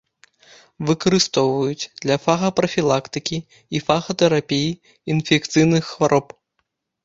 Выкарыстоўваюць для фагапрафілактыкі і фагатэрапіі інфекцыйных хвароб.